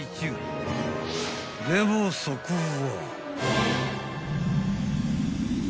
［でもそこは］